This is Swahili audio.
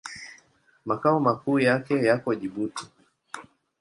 Makao makuu yake yako Jibuti.